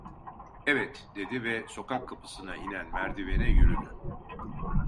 "Evet." dedi ve sokak kapısına inen merdivene yürüdü.